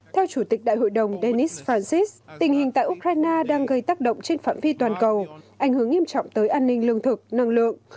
theo chủ tịch đại hội đồng denis francis tình hình tại ukraine đang gây tác động trên phạm vi toàn cầu ảnh hưởng nghiêm trọng tới an ninh lương thực năng lượng